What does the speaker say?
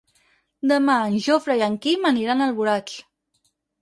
Demà en Jofre i en Quim aniran a Alboraig.